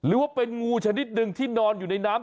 หรือว่าเป็นงูชนิดหนึ่งที่นอนอยู่ในน้ำ